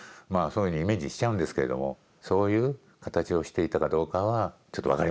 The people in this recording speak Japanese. そういうふうにイメージしちゃうんですけれどもそういう形をしていたかどうかはちょっと分かりませんよね。